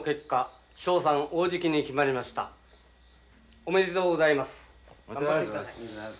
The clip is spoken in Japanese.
おめでとうございます。